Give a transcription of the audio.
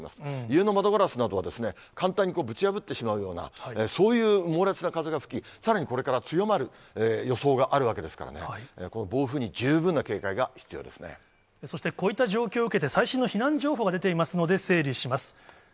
家の窓ガラスなどは簡単にぶち破ってしまうような、そういう猛烈な風が吹き、さらに、これから強まる予想があるわけですからね、そしてこういった状況を受けて、最新の避難情報が出ていますので、整理します。